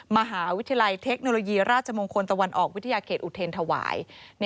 มหาวิทยาลัยเทคโนโลยีราชมงคลตะวันออกวิทยาเขตอุเทรนธวาย